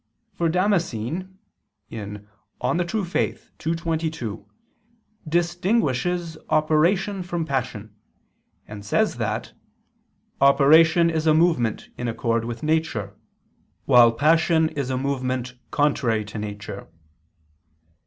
For Damascene (De Fide Orth. ii, 22) distinguishes operation from passion, and says that "operation is a movement in accord with nature, while passion is a movement contrary to nature."